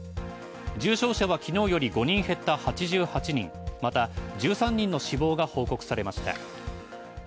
重症者は昨日より５人減った８８人、また１３人の死亡が報告されました。